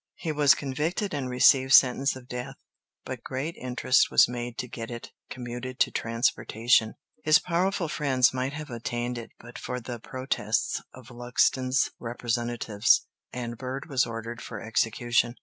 He was convicted and received sentence of death, but great interest was made to get it commuted to transportation. His powerful friends might have obtained it but for the protests of Loxton's representatives, and Bird was ordered for execution.